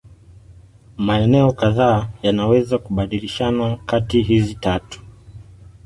Maeneo kadhaa yanaweza kubadilishana kati hizi tatu.